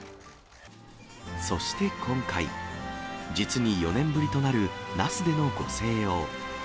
そして今回、実に４年ぶりとなる那須でのご静養。